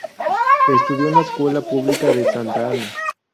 Estudió en la Escuela Pública de Santa Ana.